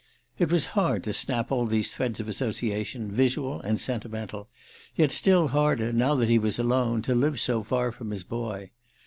It was hard to snap all these threads of association, visual and sentimental; yet still harder, now that he was alone, to live so far from his boy.